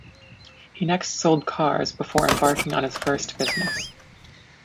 He next sold cars, before embarking on his first business.